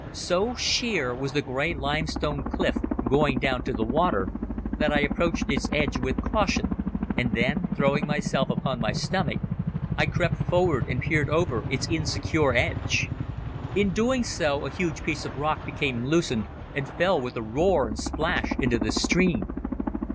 So sheer was the grey limestone cliff, going down to the water, that I approached its edge with caution and then, throwing myself upon my stomach, I crept forward and peered over its insecure edge. In doing so a huge piece of rock became loosened and fell with a roar and splash into the stream.